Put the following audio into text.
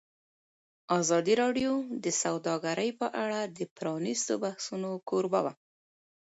ازادي راډیو د سوداګري په اړه د پرانیستو بحثونو کوربه وه.